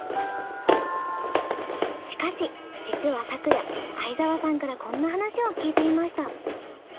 しかし実は昨夜相澤さんからこんな話を聞いていました。